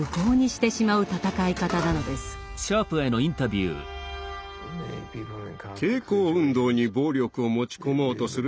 抵抗運動に暴力を持ち込もうとする人は大勢います。